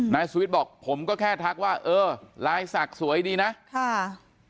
นายสุวิทย์บอกผมก็แค่ทักว่าเออลายศักดิ์สวยดีนะค่ะ